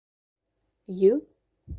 You?